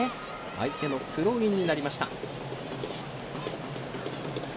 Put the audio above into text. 相手のスローインになりました。